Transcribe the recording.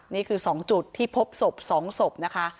นี่คือสองจุดที่พบศพสองศพนะคะ